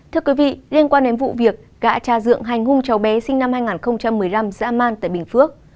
thưa quý vị liên quan đến vụ việc gã cha dựng hành hung cháu bé sinh năm hai nghìn một mươi năm dã man tại bình phước